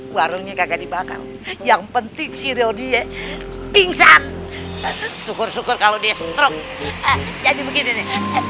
warungnya kagak dibakar yang penting siro dia pingsan syukur syukur kalau di struk jadi begini